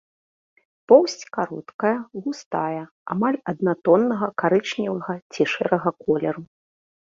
Поўсць кароткая, густая, амаль аднатоннага карычневага ці шэрага колеру.